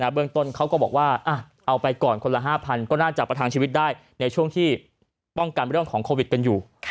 เบื้องต้นเขาก็บอกว่าเอาไปก่อนคนละ๕๐๐ก็น่าจะประทังชีวิตได้ในช่วงที่ป้องกันเรื่องของโควิดกันอยู่